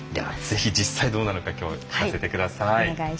ぜひ実際どうなのか今日聞かせて下さい。